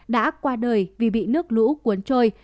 đã qua đời vì bị nước lũ cuốn trôi